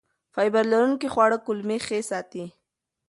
فایبر لرونکي خواړه کولمې ښه ساتي.